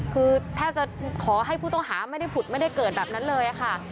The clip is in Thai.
คือแทบจะขอให้ผู้ต้องหาไม่ได้ผุดไม่ได้เกิดแบบนั้นเลยค่ะ